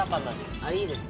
あっいいですね。